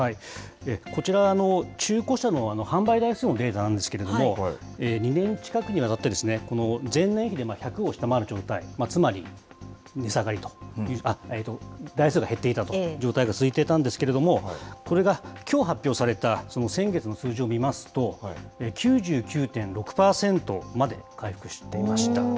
こちら、中古車の販売台数のデータなんですけれども、２年近くにわたってですね、前年比で１００を下回る状態、つまり値下がりと、台数が減っていたという状態が続いていたんですけれども、これがきょう発表された先月の数字を見ますと、９９．６％まで回復していました。